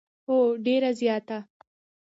هو، ډیره زیاته